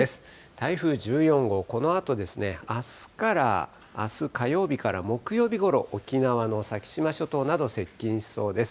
台風１４号、このあとですね、あすから、あす火曜日から木曜日ごろ、沖縄の先島諸島など接近しそうです。